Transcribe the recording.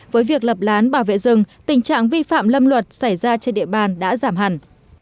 với việc lập lán bảo vệ rừng tình trạng vi phạm lâm luật xảy ra trên địa bàn đã giảm hẳn